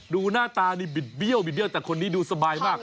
ดูหน้าตานี่บิดเบี้ยวแต่คนนี้ดูสบายมาก